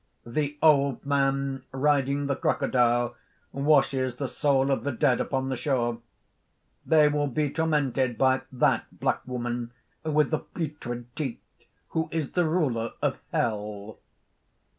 "The old man riding the crocodile washes the soul of the dead upon the shore. They will be tormented by that black woman with the putrid teeth, who is the Ruler of Hell.